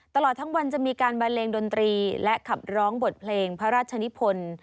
ตลอดทั้งวันจะมีการบันเลงดนตรีและขับร้องบทเพลงพระราชนิพล